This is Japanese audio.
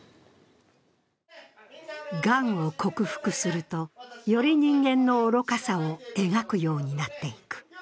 がんを克服すると、より人間の愚かさを描くようになっていく。